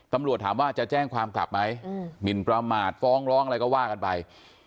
ตำรวจถามว่าจะแจ้งความกลับไหมหมินประมาทฟ้องร้องอะไรก็ว่ากันไป